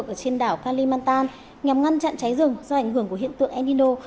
các khu vực trên đảo kalimantan nhằm ngăn chặn cháy rừng do ảnh hưởng của hiện tượng el nino